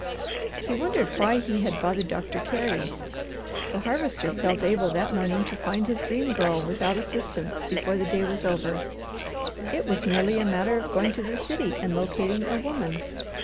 He wondered why he had bothered Doctor Carey. The Harvester felt able that morning to find his Dream Girl without assistance before the day was over. It was merely a matter of going to the city and locating a woman.